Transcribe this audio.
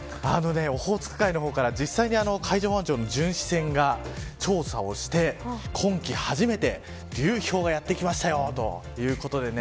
オホーツク海の方から実際に海上保安庁の巡視船が調査をして、今季初めて流氷がやってきましたよ